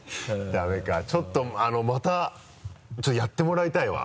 ダメかちょっとまたちょっとやってもらいたいわ。